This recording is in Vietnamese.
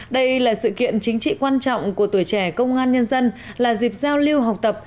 đây là sự kiện chính trị quan trọng của tuổi trẻ công an nhân dân là dịp giao lưu học tập